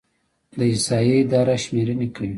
د احصایې اداره شمیرنې کوي